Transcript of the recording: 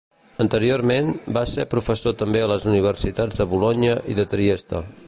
Anteriorment, va ser professor també a les universitats de Bolonya i de Trieste.